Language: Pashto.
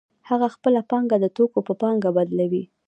هغه خپله پانګه د توکو په پانګه بدلوي